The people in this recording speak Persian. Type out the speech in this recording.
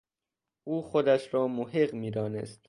او خودش را محق میدانست